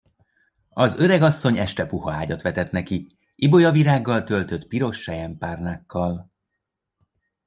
Az öregasszony este puha ágyat vetett neki ibolyavirággal töltött piros selyempárnákkal.